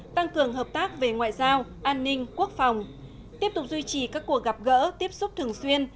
tăng cường hợp tác về ngoại giao an ninh quốc phòng tiếp tục duy trì các cuộc gặp gỡ tiếp xúc thường xuyên